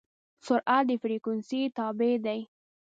سرعت د فریکونسي تابع دی.